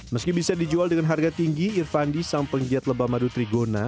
meski bisa dijual dengan harga tinggi irvandi sang penggiat lebah madu trigona